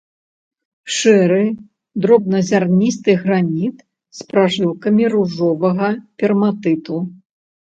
Шэры дробназярністы граніт з пражылкамі ружовага пегматыту.